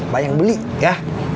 banyak beli ya